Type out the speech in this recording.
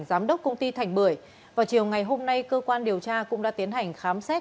giám đốc công ty thành bưởi vào chiều ngày hôm nay cơ quan điều tra cũng đã tiến hành khám xét